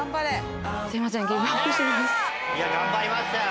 いや頑張りましたよ。